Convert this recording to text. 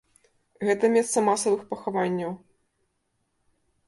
Гэта месца масавых пахаванняў.